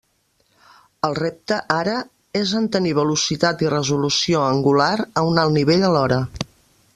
El repte, ara, és en tenir velocitat i resolució angular a un alt nivell alhora.